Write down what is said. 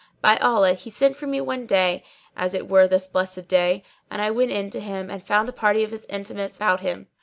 By Allah, he sent for me one day, as it were this blessed day, and I went in to him and found a party of his intimates about him.